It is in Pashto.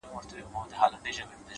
بي له تانه مي ژوندون په اوږو بوج دي